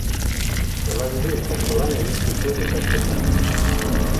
Olabide ikastolan egin zituen ikasketak.